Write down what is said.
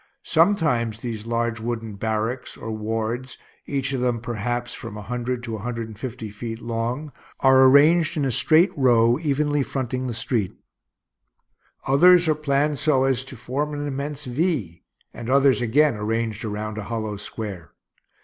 Sometimes these large wooden barracks, or wards, each of them, perhaps, from a hundred to a hundred and fifty feet long, are arranged in a straight row, evenly fronting the street; others are planned so as to form an immense V; and others again arranged around a hollow square.